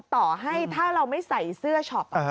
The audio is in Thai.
ต่อให้ถ้าเราไม่ใส่เสื้อช็อป